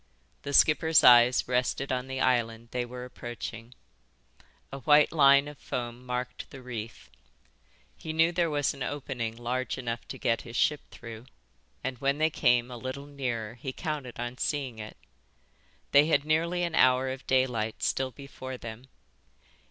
The skipper's eyes rested on the island they were approaching. A white line of foam marked the reef. He knew there was an opening large enough to get his ship through, and when they came a little nearer he counted on seeing it. They had nearly an hour of daylight still before them.